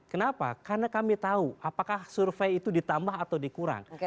kenapa karena kami tahu apakah survei itu ditambah atau dikurang